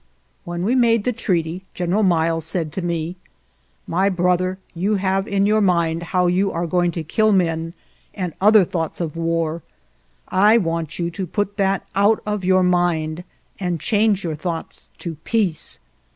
When we had made the treaty General Miles said to me: " My brother, you have in your mind how you are going to kill men, and other thoughts of war; I want you to put that out of your mind, and change your thoughts to peace."